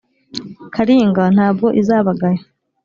karinga nta bwo izabagaya.